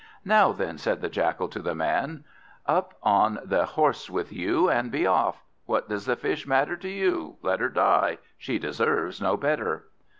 "Now then," said the Jackal to the Man, "up on the horse with you, and be off! What does the Fish matter to you? Let her die, she deserves no better."